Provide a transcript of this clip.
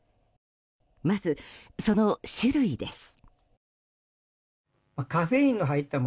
まず、その種類です。